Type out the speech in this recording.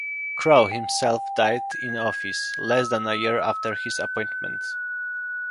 Crow himself died in office less than a year after his appointment.